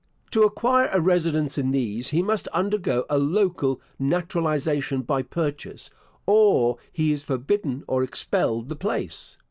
To acquire a residence in these, he must undergo a local naturalisation by purchase, or he is forbidden or expelled the place.